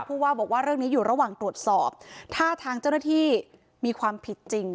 ผู้ว่าบอกว่าเรื่องนี้อยู่ระหว่างตรวจสอบถ้าทางเจ้าหน้าที่มีความผิดจริง